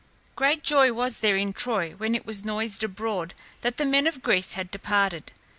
Great joy was there in Troy when it was noised abroad that the men of Greece had departed.